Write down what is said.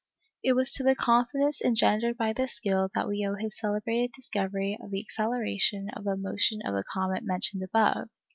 It was to the confidence engendered by this skill that we owe his celebrated discovery of the acceleration of the motion of the comet mentioned above.